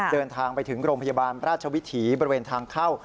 เดินทางไปถึงโรงพยาบาลราชวิถีบริเวณทางเข้า